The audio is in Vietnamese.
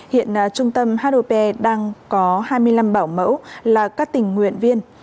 hiện trung tâm hop đang có hai mươi năm bảo mẫu là các tình nguyện viên